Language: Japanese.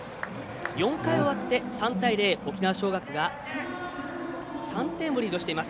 ４回終わって、３対０。沖縄尚学が３点をリードしています。